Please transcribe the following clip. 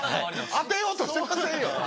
当てようとしてませんやん。